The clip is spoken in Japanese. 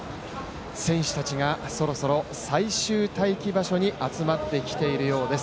選手たちがそろそろ最終待機場所に集まってきているようです。